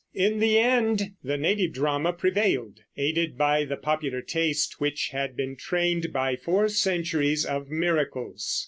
In the end the native drama prevailed, aided by the popular taste which had been trained by four centuries of Miracles.